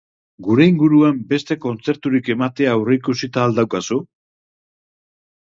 Gure inguruan beste kontzerturik ematea aurreikusita al daukazu?